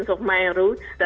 dari kaki saya